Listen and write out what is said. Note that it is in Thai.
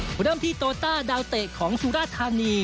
มาเริ่มที่โตต้าดาวเตะของสุราธานี